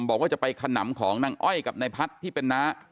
บอกว่าจะไปขนำของนางอ้อยกับนายพัฒน์ที่เป็นน้า